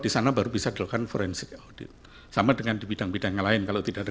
disana baru bisa dilakukan forensic audit sama dengan di bidang bidang lain kalau tidak ada